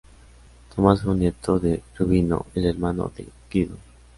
Tomás fue un nieto de Rubino, el hermano de Guido.